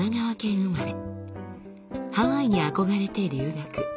ハワイに憧れて留学。